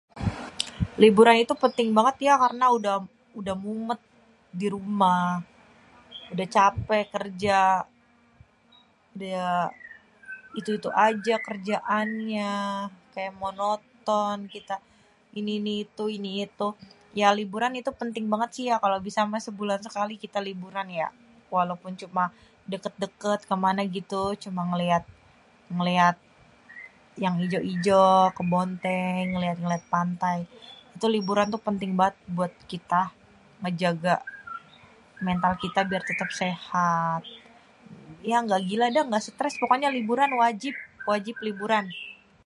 Liburan itu penting banget ya karna udah, udah mumèt di rumah, udah capek kerja, udah itu-itu aja kerjaannya, kayak monoton kita ini ini ini itu ini itu. Ya liburan penting banget sih ya kalo bisa mah sebulan sekali kita liburan ya walaupun cuma deket-deket ke mana gitu, cuma ngeliat, ngeliat yang ijo-ijo, kebon teh, ngeliat-liat pantai. Itu liburan itu penting banget buat kita ngejaga mental kita biar tetep sehat. Ya nggak gila dah, nggak stres dah, pokoknya liburan wajib, wajib liburan.